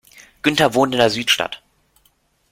Günther wohnt in der Südstadt.